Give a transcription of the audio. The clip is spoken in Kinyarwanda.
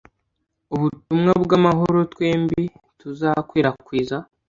ubutumwa bwamahoro twembi tuzakwirakwiza